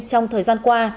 trong thời gian qua